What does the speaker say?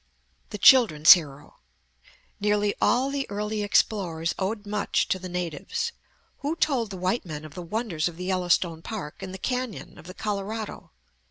THE CHILDREN'S HERO Nearly all the early explorers owed much to the natives. Who told the white men of the wonders of the Yellowstone Park and the canyon of the Colorado?